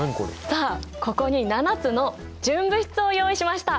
さあここに７つの純物質を用意しました。